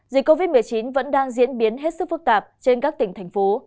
dịch covid một mươi chín vẫn đang diễn biến hết sức phức tạp trên các tỉnh thành phố